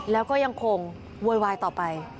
แล้วก็ยังคงโวยวายต่อไป